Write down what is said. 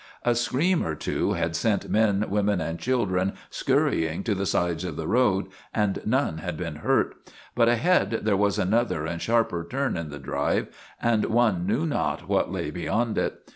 A scream or two had sent men, women, and children scurrying to the sides of the road and none had been hurt. But ahead there was another and sharper turn in the drive and one knew not what lay beyond it.